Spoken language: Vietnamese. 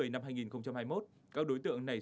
năm hai nghìn hai mươi một các đối tượng này